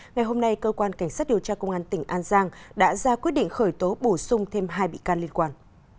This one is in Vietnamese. ngày hôm nay cơ quan cảnh sát điều tra công an tỉnh an giang đã ra quyết định khởi tố bổ sung thêm hai bị can liên quan